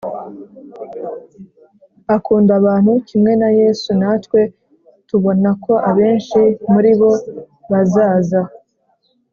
akunda abantu Kimwe na Yesu natwe tubona ko abenshi muri bo bazaza